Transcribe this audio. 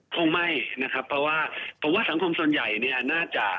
คงไม่นะครับเพราะว่าสังคมส่วนใหญ่น่าจะ